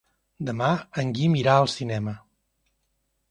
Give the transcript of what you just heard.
Demà en Guim irà al cinema.